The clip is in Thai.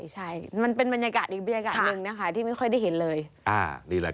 ใช่มันเป็นบรรยากาศนึงนะที่ไม่ค่อยได้เห็นเลย